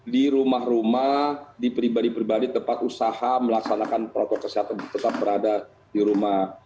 di rumah rumah di pribadi pribadi tempat usaha melaksanakan protokol kesehatan tetap berada di rumah